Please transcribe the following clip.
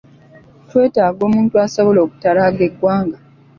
Twetaaga omuntu asobola okutalaaga eggwanga.